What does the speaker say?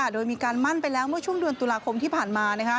โดยมีการมั่นไปแล้วเมื่อช่วงเดือนตุลาคมที่ผ่านมา